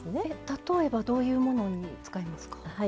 例えばどういうものに使えますか？